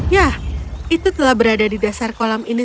ya itu telah berada di dasar kolam ini